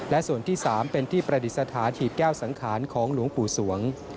และส่วนที่๓เป็นที่ประดิษฐานถีบแก้วสังขารของหลวงปู่สวง